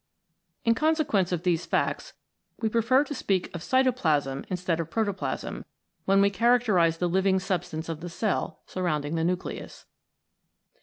In consequence of these facts, we prefer to speak of Cytoplasm in stead of protoplasm, when we characterise the living substance of the cell, surrounding the nucleus.